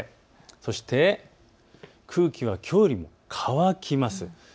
そして空気はきょうよりは乾きます。